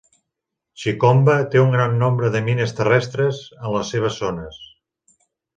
Chikomba té un gran nombre de mines terrestres en les seves zones.